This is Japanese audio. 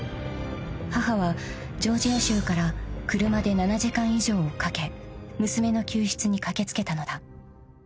［母はジョージア州から車で７時間以上をかけ娘の救出に駆け付けたのだ］